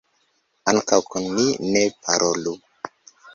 Ankaŭ kun ni ne parolu.